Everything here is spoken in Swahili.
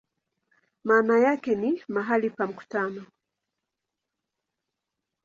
Maana yake ni "mahali pa mkutano".